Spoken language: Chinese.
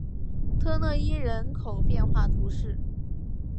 特讷伊人口变化图示